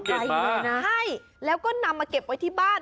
นะใช่แล้วก็นำมาเก็บไว้ที่บ้าน